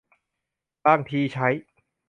บางทีใช้